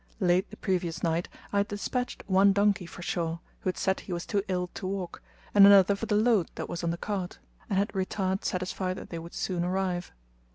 Late the previous night I had despatched one donkey for Shaw, who had said he was too ill to walk, and another for the load that was on the cart; and had retired satisfied that they would soon arrive.